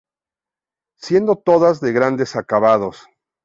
Siendo todas de grandes acabados.